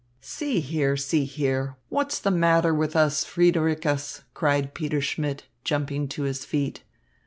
"See here! See here! What's the matter with us, Friedericus?" cried Peter Schmidt, jumping to his feet.